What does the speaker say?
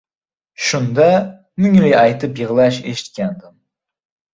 Shunda, mungli aytib yig‘lash eshitgandim.